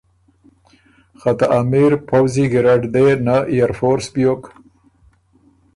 خه ته امیر پؤځی ګیرډ دې نۀ ائرفورس بیوک